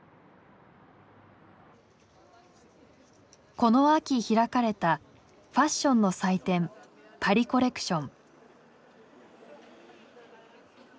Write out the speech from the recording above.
この秋開かれたファッションの祭典「パリ・コレクション」。